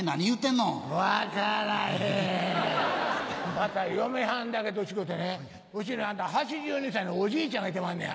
また嫁はんだけと違うてねうちに８２歳のおじいちゃんがいてまんねや。